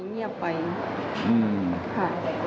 อืมค่ะ